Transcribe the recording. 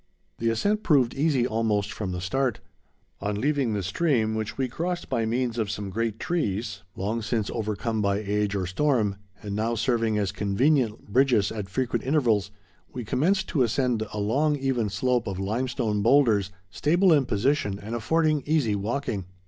The ascent proved easy almost from the start. On leaving the stream, which we crossed by means of some great trees, long since overcome by age or storm, and now serving as convenient bridges at frequent intervals, we commenced to ascend a long, even slope of limestone boulders, stable in position, and affording easy walking.